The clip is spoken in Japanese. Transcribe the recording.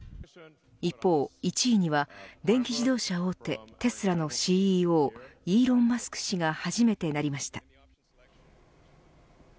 一方、１位には電気自動車大手テスラのＣＥＯイーロン・マスク氏が初めてなりました。